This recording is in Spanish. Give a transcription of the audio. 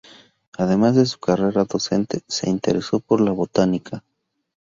Además de su carrera docente, se interesó por la Botánica.